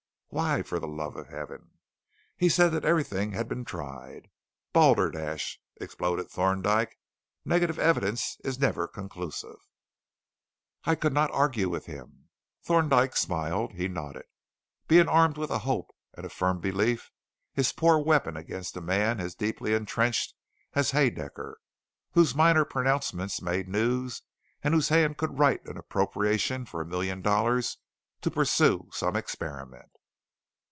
"Why, for the Love of Heaven?" "He said that everything had been tried." "Balderdash!" exploded Thorndyke. "Negative evidence is never conclusive!" "I could not argue with him." Thorndyke smiled. He nodded. Being armed with a hope and a firm belief is poor weapon against a man as deeply entrenched as Haedaecker, whose minor pronouncements made news and whose hand could write an appropriation for a million dollars to pursue some experiment.